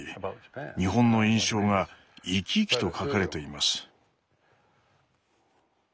日本の印象が生き生きと書かれています。